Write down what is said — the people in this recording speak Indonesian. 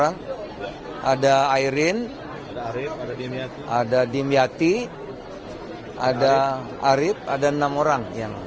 ada ayrin ada dimyati ada arif ada enam orang